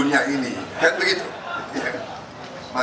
tapi yang gak begitu bagus begitu kita pulang tugas selamat